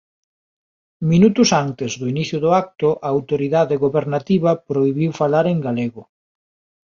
Minutos antes do inicio do acto a autoridade gobernativa prohibiu falar en galego.